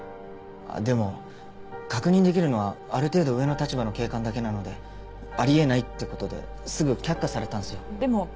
でも確認できるのはある程度上の立場の警官だけなのであり得ないってことですぐ却下されたんすよ。